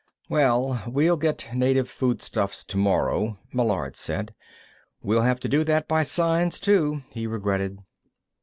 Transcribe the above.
"Well, we'll get native foodstuffs tomorrow," Meillard said. "We'll have to do that by signs, too," he regretted.